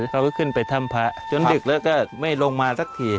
เขาก็ขึ้นไปถ้ำพระจนดึกแล้วก็ไม่ลงมาสักที